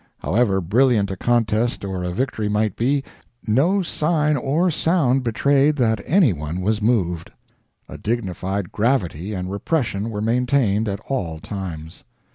However brilliant a contest or a victory might be, no sign or sound betrayed that any one was moved. A dignified gravity and repression were maintained at all times.